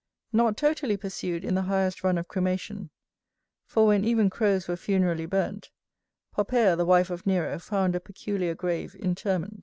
Not totally pursued in the highest run of cremation; for when even crows were funerally burnt, Poppæa the wife of Nero found a peculiar grave interment.